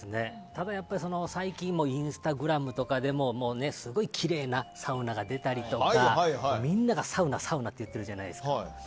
ただ、やっぱり最近インスタグラムとかでもすごいきれいなサウナが出たりとかみんながサウナ、サウナって言ってるじゃないですか。